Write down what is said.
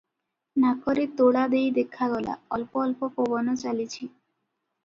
ନାକରେ ତୁଳା ଦେଇ ଦେଖାଗଲା, ଅଳ୍ପ ଅଳ୍ପ ପବନ ଚାଲିଛି ।